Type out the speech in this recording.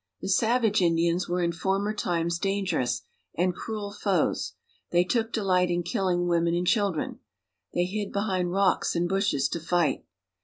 The savage Indians were in former times dangerous and cruel foes. They took delight in kilHng women and children. They hid behind rocks and bushes to fight.